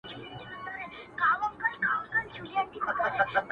هغه د شنه ځنګله په څنډه کي سرتوره ونه.!